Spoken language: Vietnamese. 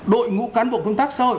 đội ngũ cán bộ công tác xã hội